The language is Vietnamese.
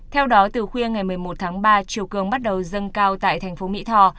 theo đó từ khuya ngày một mươi một tháng ba chiều cường bắt đầu dâng cao tại thành phố mỹ tho